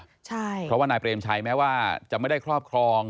เพราะว่านายเปรมชัยแม้ว่าจะไม่ได้ครอบครอง